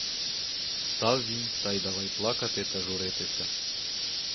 Став він та й давай плакати та журитися.